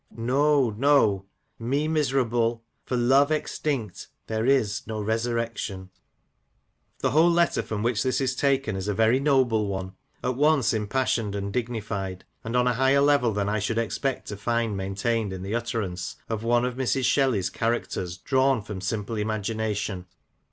No — no —me miserable ; for love extinct there is no resurrection !The whole letter from which this is taken Is a very noble one — at once impassioned and dignified, and on a higher level than I should expect to find maintained in the utterance of one of Mrs. Shelley's characters drawn from simple imagination.